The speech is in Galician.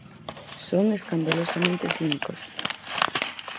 Son escandalosamente cínicos.